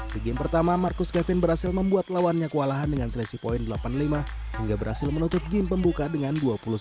di game pertama marcus kevin berhasil membuat lawannya kewalahan dengan selisih poin delapan puluh lima hingga berhasil menutup game pembuka dengan dua puluh satu sembilan belas